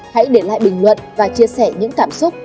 hãy để lại bình luận và chia sẻ những cảm xúc